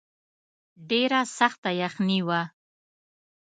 ډېره سخته یخني وه.